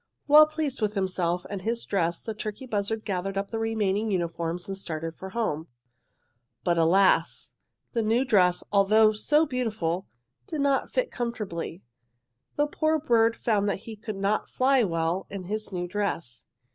Well pleased with himself and his dress the turkey buzzard gathered up the remaining uniforms and started for home. "'But alas! the new dress, although so beautiful, did not fit comfortably. The poor bird found that he could not fly well in his new dress.